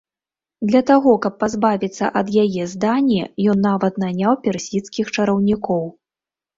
Для таго каб пазбавіцца ад яе здані, ён нават наняў персідскіх чараўнікоў.